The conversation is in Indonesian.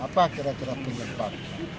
apa kira kira penyebab